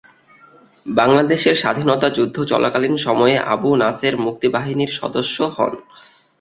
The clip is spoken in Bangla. বাংলাদেশের স্বাধীনতা যুদ্ধ চলাকালীন সময়ে আবু নাসের মুক্তি বাহিনীর সদস্য হন।